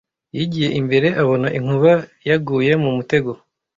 Yigiye imbere abona inkuba yaguye mu mutego,